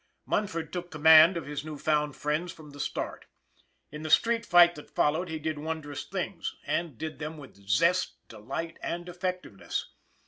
Munford took command of his new found friends from the start. In the street fight that followed he did wondrous things and did them with zest, delight and effectiveness.